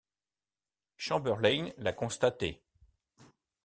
Chamberlayne l’a constaté.